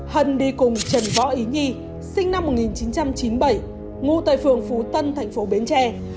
hân đi cùng trần võ ý nhi sinh năm một nghìn chín trăm chín mươi bảy ngụ tại phường phú tân thành phố bến tre